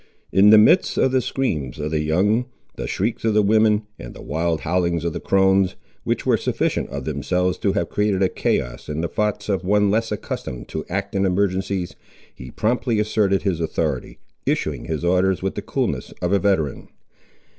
In the midst of the screams of the young, the shrieks of the women, and the wild howlings of the crones, which were sufficient of themselves to have created a chaos in the thoughts of one less accustomed to act in emergencies, he promptly asserted his authority, issuing his orders with the coolness of a veteran.